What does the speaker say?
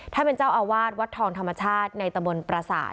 ท่านเป็นเจ้าอาวาสวัดทองธรรมชาติในตะบนประสาท